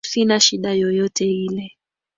Sina shida yoyote ile